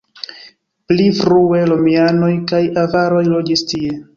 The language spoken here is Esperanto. Pli frue romianoj kaj avaroj loĝis tie.